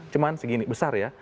cuma segini besar ya